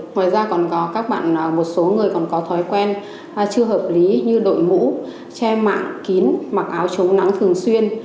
ngoài ra còn có các bạn một số người còn có thói quen chưa hợp lý như đội mũ che mạng kín mặc áo chống nắng thường xuyên